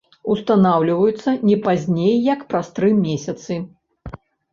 Устанаўліваецца не пазней як праз тры месяцы.